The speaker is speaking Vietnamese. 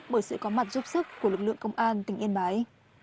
bởi sự có mặt giúp sức của lực lượng công an tỉnh yên bái